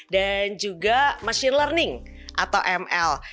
dan juga machine learning atau ml